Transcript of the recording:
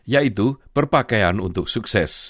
yaitu perpakaian untuk sukses